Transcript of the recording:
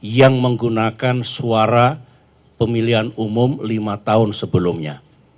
yang menggunakan suara pemilihan umum lima tahun sebelumnya